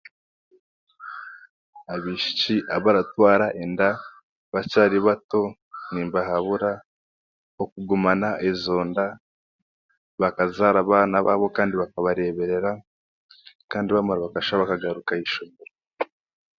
Abaishiki abaratwara enda bakyari bato nimbahabura okugumana ezo nda bakazaara abaana baabo kandi bakabareeberera kandi baamara bakashuba bakagaruka aha ishomero